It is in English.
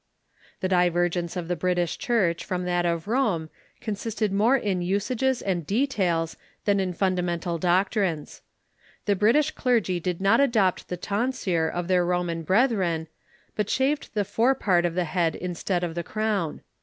The divergence of the British Church from that of Rome consisted more in usages and details than in fundamental doc trines. The British clergy did not adopt the tonsure Difference ^^^^^^'^' Roman brethren, but shaved the forepart of the head instead of the crown.